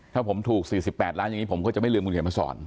ถ้าผมถูก๔๘ล้านอย่างนี้ผมก็จะไม่ลืมคุณเขียนมาสอน